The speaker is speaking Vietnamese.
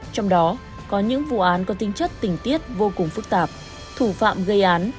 trong đó có những vụ án có tính chất tình tiết vô cùng phức tạp thủ phạm gây án